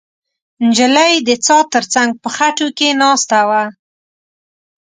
نجلۍ د څا تر څنګ په خټو کې ناسته وه.